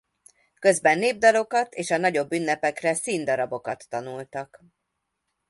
Közben népdalokat és a nagyobb ünnepekre színdarabokat tanultak.